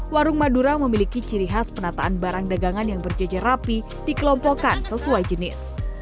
warung madura memiliki ciri khas penataan barang dagangan yang berjejer rapi dikelompokkan sesuai jenis